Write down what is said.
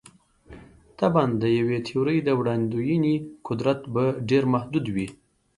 طبعاً د یوې تیورۍ د وړاندوینې قدرت به ډېر محدود وي.